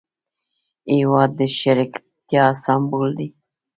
هېواد د شریکتیا سمبول دی.